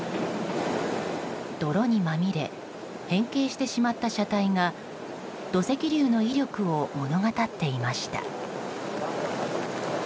泥にまみれ変形してしまった車体が土石流の威力を物語っていました。